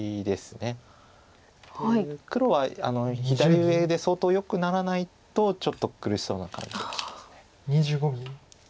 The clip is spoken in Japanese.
黒は左上で相当よくならないとちょっと苦しそうな感じがします。